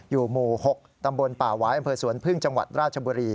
อยู่หมู่๖ตำบลป่าวายอำเภอสวนพึ่งจังหวัดราชบุรี